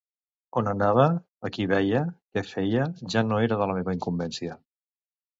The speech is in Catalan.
On anava, a qui veia, què feia ja no era de la meva incumbència.